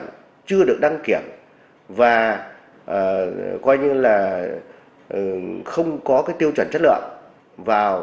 tiêu chuẩn chưa được đăng kiểm và không có tiêu chuẩn chất lượng vào